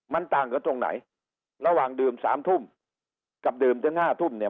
มันต่างกับตรงไหนระหว่างดื่มสามทุ่มกับดื่มถึงห้าทุ่มเนี่ย